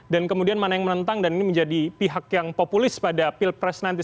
dan kemudian mana yang menentang dan ini menjadi pihak yang populis pada pilpres nanti